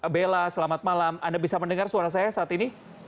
bella selamat malam anda bisa mendengar suara saya saat ini